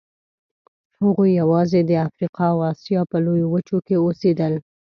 هغوی یواځې د افریقا او اسیا په لویو وچو کې اوسېدل.